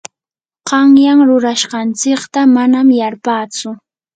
qanyan rurashqanchikta manam yarpatsu.